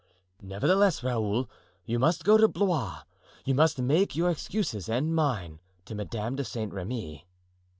"Nevertheless, Raoul, you must go to Blois and you must make your excuses and mine to Madame de Saint Remy."